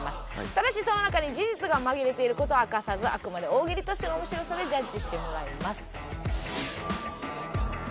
ただしその中に事実が紛れている事を明かさずあくまで大喜利としての面白さでジャッジしてもらいます。